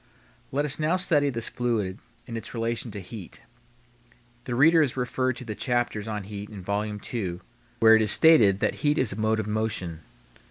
Let us now study this fluid in its relation to heat. The reader is referred to the chapters on heat in Vol. II., where it is stated that heat is a mode of motion.